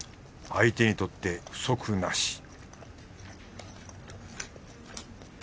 相手にとって不足なし